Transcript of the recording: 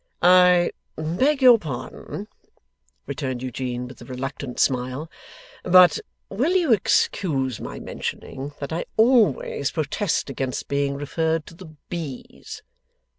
'I beg your pardon,' returned Eugene, with a reluctant smile, 'but will you excuse my mentioning that I always protest against being referred to the bees?